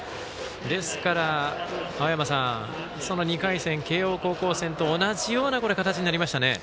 ですから、そんな２回戦慶応高校戦と同じような形になりましたね。